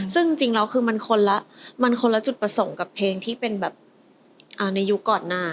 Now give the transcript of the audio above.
ซึ่งจริงแล้วคือมันคนละมันคนละจุดประสงค์กับเพลงที่เป็นแบบในยุคก่อนหน้า